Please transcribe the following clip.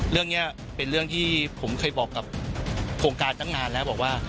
เรื่องนี้เป็นเรื่องที่ผมเคยบอกกับโครงการตั้งนานแล้วบอกว่า